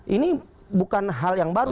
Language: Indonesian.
ini bukan hal yang baru